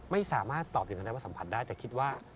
ไม่สามารถตอบอย่างนั้นได้ว่าสัมผัสได้แต่คิดว่า